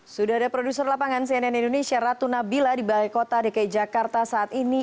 sudah ada produser lapangan cnn indonesia ratu nabila di balai kota dki jakarta saat ini